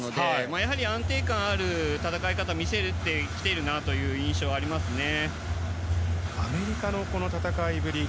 やはり安定感がある戦い方を見せてきているなというアメリカの戦いぶり。